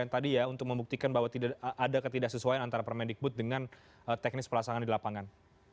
tadi ya untuk membuktikan bahwa ada ketidaksesuaian antara permendikbud dengan teknis perlasangan di lapangan